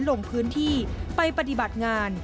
ลงพื้นที่ไปปฏิบัติงาน